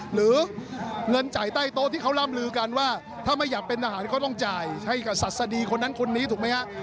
หรือเงินจ่ายใต้โต๊ะที่เขาร่ำลือกันว่าถ้าไม่อยากเป็นทหารก็ต้องจ่ายให้กับศัษฎีคนนั้นคนนี้ถูกไหมฮะ